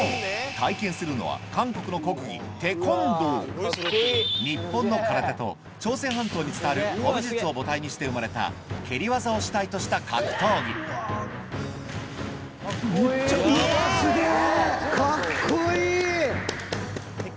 体験するのは日本の空手と朝鮮半島に伝わる古武術を母体にして生まれた蹴り技を主体とした格闘技うわすげぇ！